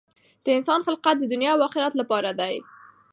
د انسان خلقت د دنیا او آخرت لپاره دی.